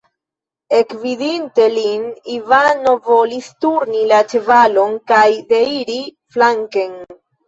Ekvidinte lin, Ivano volis turni la ĉevalon kaj deiri flanken.